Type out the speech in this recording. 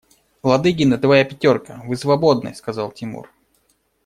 Ладыгин и твоя пятерка, вы свободны, – сказал Тимур.